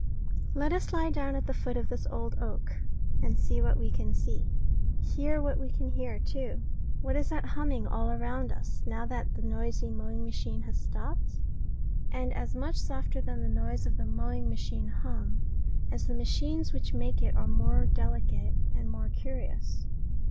Let us lie down at the foot of this old oak, and see what we can see. And hear what we can hear, too. What is that humming all round us, now that the noisy mowing machine has stopped? And as much softer than the noise of mowing machine hum, as the machines which make it are more delicate and more curious.